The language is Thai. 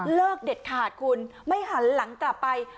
เด็ดขาดคุณไม่หันหลังกลับไป